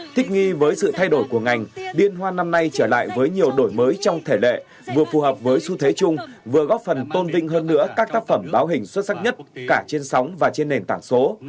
thích nghi với sự thay đổi của ngành liên hoan năm nay trở lại với nhiều đổi mới trong thể lệ vừa phù hợp với xu thế chung vừa góp phần tôn vinh hơn nữa các tác phẩm báo hình xuất sắc nhất cả trên sóng và trên nền tảng số